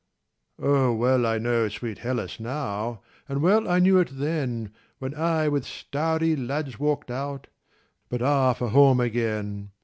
Oh well I know sweet Hellas now. And well I knew it then, When I with starry lads walked out ŌĆö But ah, for home again